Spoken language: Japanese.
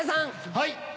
はい。